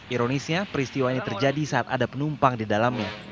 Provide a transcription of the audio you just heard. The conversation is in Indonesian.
ironisnya peristiwa ini terjadi saat ada penumpang di dalamnya